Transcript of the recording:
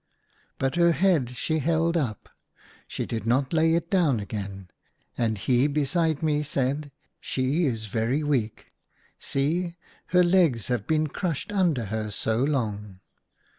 But her head she held up ; she did not lay it down again. And he beside me said, " She is very weak. See, her legs have been crushed under her so long."